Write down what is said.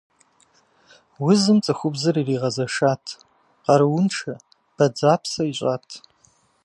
Узым цӏыхубзыр иригъэзэшат, къарууншэ, бадзэпсэ ищӏат.